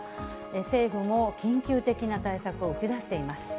政府も緊急的な対策を打ち出しています。